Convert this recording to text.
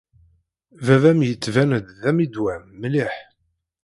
Baba-m yettban-d d ammidwan mliḥ.